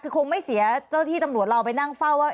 คือคงไม่เสียเจ้าที่ตำรวจเราไปนั่งเฝ้าว่า